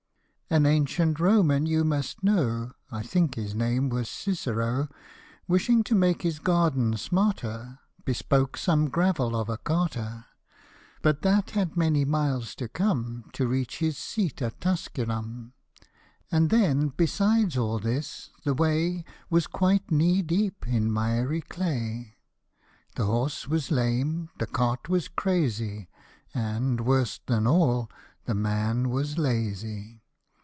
AN ancient Roman, you must know, (I think his name was Cicero,) Wishing to make his garden smarter, Bespoke some gravel of a carter ; But that had many miles to come, To reach his seat at Tusculum ; p. 22. The Hermit & liie Bear. The Clcrvvii praying* to Hercules . 13 And then, beside all this, the way Was quite knee deep in miry clay ; The horse was lame, the cart was cra^y, And, worse than all, the man was lazy.